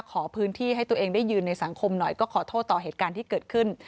ขอพื้นที่ให้ตัวเองได้ยืนในสังคมหน่อยก็ขอโทษต่อเหตุการณ์ที่เกิดขึ้น